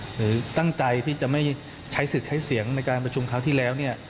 หรือตั้งใจที่จะไม่ใช้สิทธิ์ใช้เสียงในการประชุมคราวที่แล้ว